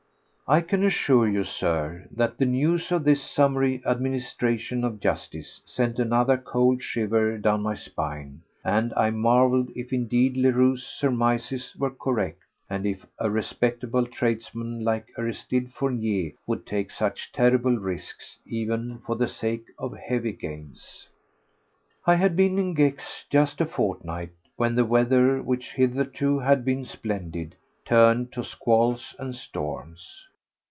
I can assure you, Sir, that the news of this summary administration of justice sent another cold shiver down my spine, and I marvelled if indeed Leroux's surmises were correct and if a respectable tradesman like Aristide Fournier would take such terrible risks even for the sake of heavy gains. I had been in Gex just a fortnight when the weather, which hitherto had been splendid, turned to squalls and storms.